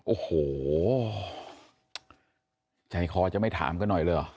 โอ้โหใจคอจะไม่ถามกันหน่อยเหรอ